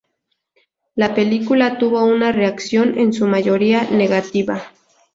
La película tuvo una reacción en su mayoría negativa.